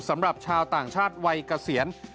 สำหรับชาวต่างชาติวัยเกษียณ